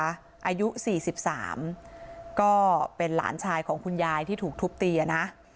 อายุ๔๓ก็เป็นหลานชายของคุณยายที่ถูกทุบตีอ่ะนะ